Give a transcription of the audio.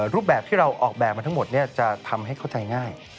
รูปแบบที่เราออกแบบมาทั้งหมดจะทำให้เข้าใจง่าย